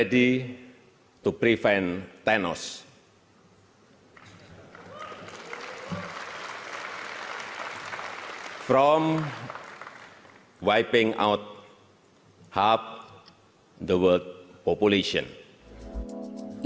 dari menghapus setengah populasi dunia